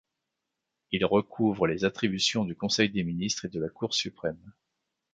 Il recouvre les attributions du Conseil des ministres et de la Cour suprême.